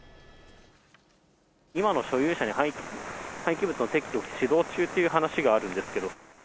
今の所有者に廃棄物の撤去を指導中という話があるんですけれども？